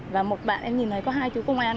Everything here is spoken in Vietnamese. và một bạn em nhìn thấy có hai chú công an